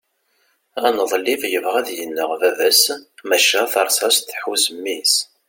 aneḍlib yebɣa ad ineɣ baba-s maca tarsast tḥuz mmi-s